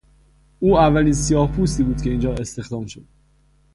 او اولین سیاهپوستی بود که اینجا استخدام شد.